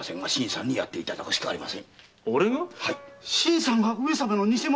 新さんが上様の偽者！